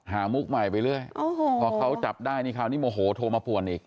มุกใหม่ไปเรื่อยพอเขาจับได้นี่คราวนี้โมโหโทรมาป่วนอีก